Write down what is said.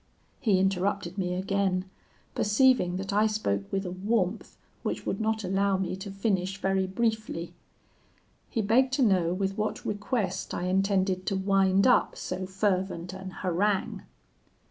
"He interrupted me again, perceiving that I spoke with a warmth which would not allow me to finish very briefly. He begged to know with what request I intended to wind up so fervent an harangue.